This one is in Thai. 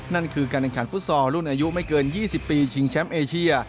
นั่นคือการแข่งขันฟุตซอลรุ่นอายุไม่เกิน๒๐ปีชิงแชมป์เอเชีย